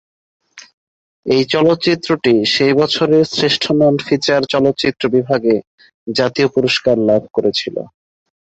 এই চলচ্চিত্রটি সেই বছরের শ্রেষ্ঠ নন-ফিচার চলচ্চিত্র বিভাগে জাতীয় পুরস্কার লাভ করেছিল।